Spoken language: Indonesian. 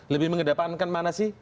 lebih mengedepankan mana sih